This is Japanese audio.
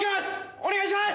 お願いします‼」。